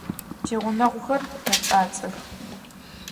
Тигъунэгъухэр мэцӏацӏэх.